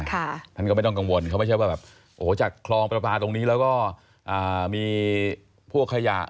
ท่านก็ไม่ต้องกังวลเขาไม่ใช่ว่าแบบโอ้โหจากคลองประพาตรงนี้แล้วก็มีพวกขยะ